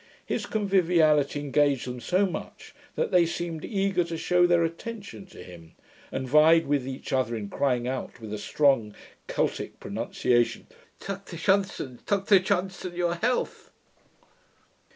His conviviality engaged them so much, that they seemed eager to shew their attention to him, and vied with each other in crying out, with a strong Celtick pronunciation, 'Toctor Shonson, Toctor Shonson, your health!'